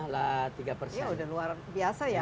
ya sudah luar biasa ya